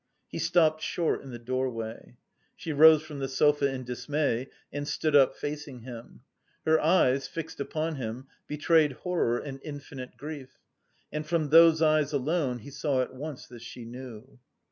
He stopped short in the doorway. She rose from the sofa in dismay and stood up facing him. Her eyes, fixed upon him, betrayed horror and infinite grief. And from those eyes alone he saw at once that she knew.